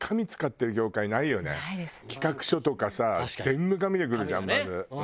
企画書とかさ全部紙でくるじゃんまず。